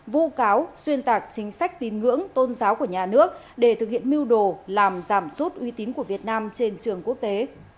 vụ cáo xuyên tạc chính sách tín ngưỡng tôn giáo của nhà nước để thực hiện mưu đồ làm giảm sút uy tín của việt nam trên trường quốc tế